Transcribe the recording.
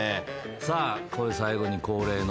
さあ最後に恒例の。